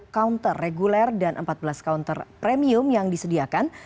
tujuh puluh kaunter reguler dan empat belas kaunter premium yang disediakan